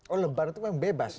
oh lebaran itu yang bebas ya